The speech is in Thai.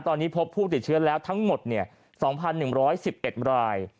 ตอนนี้พบผู้ติดเชื้อแล้วทั้งหมด๒๑๑๑๑ราย